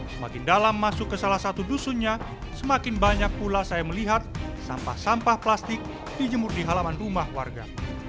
semakin dalam masuk ke salah satu dusunnya semakin banyak pula saya melihat sampah sampah plastik dijemur di halaman rumah warga